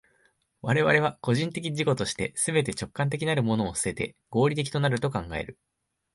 我々は個人的自己として、すべて直観的なるものを棄てて、合理的となると考える。